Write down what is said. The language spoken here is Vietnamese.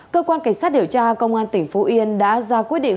cơ quan cảnh sát điều tra công an tỉnh phú yên đã ra quyết định